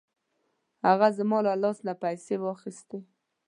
هغه زما له لاس نه پیسې واخیستې.